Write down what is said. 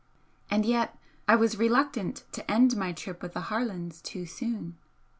And yet I was reluctant to end my trip with the Harlands too soon.